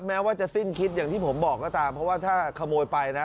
แม้ว่าจะสิ้นคิดอย่างที่ผมบอกก็ตามเพราะว่าถ้าขโมยไปนะ